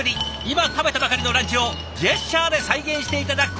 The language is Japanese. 今食べたばかりのランチをジェスチャーで再現して頂く